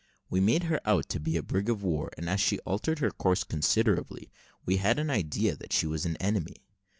We made her out to be a brig of war; and as she altered her course considerably, we had an idea that she was an enemy.